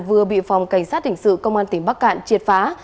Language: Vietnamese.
vừa bị phòng cảnh sát hình sự công an tỉnh bắc cạn triệt phá